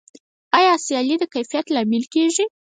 آیا سیالي د کیفیت لامل کیږي؟